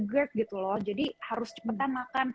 gerd gitu loh jadi harus cepetan makan